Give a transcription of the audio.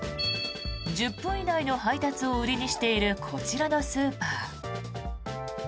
１０分以内の配達を売りにしているこちらのスーパー。